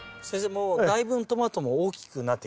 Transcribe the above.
もうだいぶんトマトも大きくなってきましたね。